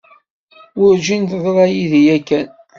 Werǧin teḍra yid-i yakan.